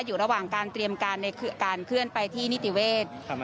อยู่ระหว่างการเตรียมการในการเคลื่อนไปที่นิติเวศ